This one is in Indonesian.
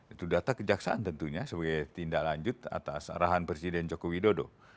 itu data kejaksaan tentunya sebagai tindak lanjut atas arahan presiden joko widodo